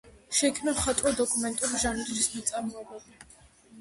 შეიქმნა მხატვრულ-დოკუმენტური ჟანრის ნაწარმოებები.